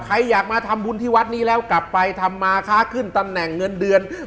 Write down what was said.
ใครอยากมาทำบุญที่วัดนี้แล้วกลับไปทำมาค้าขึ้นตำแหน่งเงินเดือน